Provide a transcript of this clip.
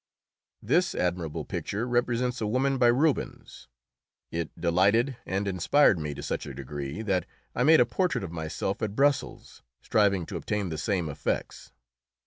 This admirable picture represents a woman by Rubens. It delighted and inspired me to such a degree that I made a portrait of myself at Brussels, striving to obtain the same effects.